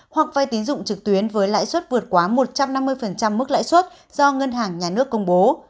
hoặc vai tín dụng trực tuyến với lãi suất vượt quá một trăm năm mươi mức lãi suất do ngân hàng nhà nước công bố